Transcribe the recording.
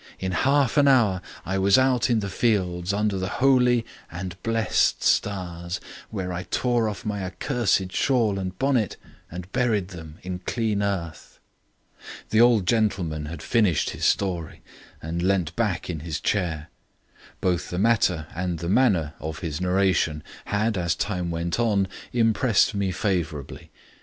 In half an hour I was out in the fields under the holy and blessed stars, where I tore off my accursed shawl and bonnet and buried them in clean earth." The old gentleman had finished his story and leant back in his chair. Both the matter and the manner of his narration had, as time went on, impressed me favourably.